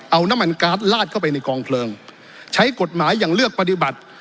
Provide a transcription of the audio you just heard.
เอาน้ำมันการ์ดลาดเข้าไปในกองเพลิงใช้กฎหมายอย่างเลือกปฏิบัติ